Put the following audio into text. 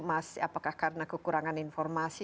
apakah karena kekurangan informasi